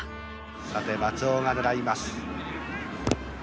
さて松尾がねらいます。